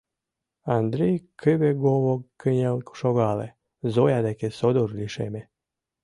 — Андрий кыве-гово кынел шогале, Зоя деке содор лишеме.